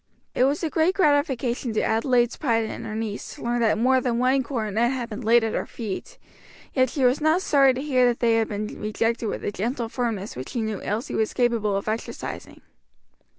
It was a great gratification to Adelaide's pride in her niece to learn that more than one coronet had been laid at her feet; yet she was not sorry to hear that they had been rejected with the gentle firmness which she knew Elsie was capable of exercising.